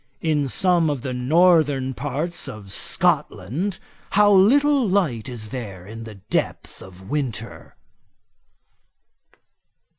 In some of the northern parts of Scotland how little light is there in the depth of winter!'